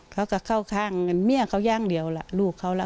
เขาก็เข้าข้างเมียเขาอย่างเดียวล่ะลูกเขาล่ะ